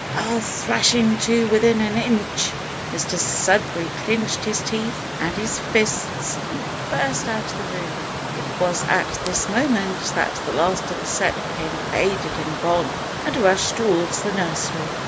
"I'll thrash him to within an inch " Mr Sudberry clinched his teeth and his fists, and burst out of the room, (it was at this moment that the last of the set became "faded and gone"), and rushed towards the nursery.